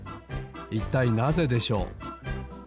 いったいなぜでしょう？